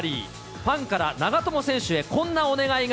ファンから長友選手へこんなお願いが。